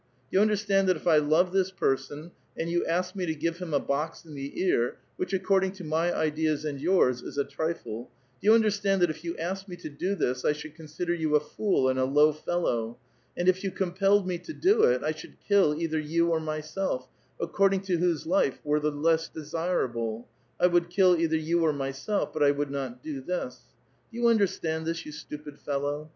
Do jou under stand that if I love this person, and you ask me to give him a box in the ear, which, according to my ideas and yours, is a trifle, — do you understand that if you asked me to do this, 1 should consider you a fool and a low fellow ; and if you compelled me to do it, I should kill either you cr m3'self , according to whose life were the less desirable — I would kill either you or myself, but I would not do this. Do you understand this, you stupid fellow